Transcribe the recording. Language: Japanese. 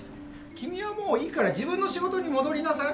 君はもういいから自分の仕事に戻りなさい。